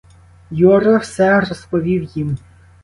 Юра все розповів їм.